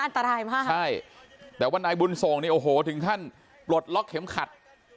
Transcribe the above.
อันตรายมากใช่แต่ว่านายบุญส่งนี่โอ้โหถึงขั้นปลดล็อกเข็มขัด